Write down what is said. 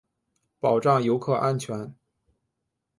保障游客安全